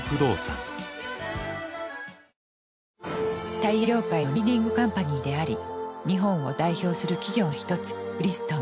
タイヤ業界のリーディングカンパニーであり日本を代表する企業の一つブリヂストン。